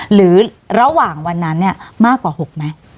หรือระหว่างวันนั้นเนี่ยมากกว่า๖ไหม